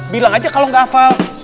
bilang aja kalau nggak hafal